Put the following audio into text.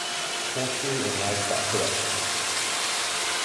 Poultry and Livestock Production.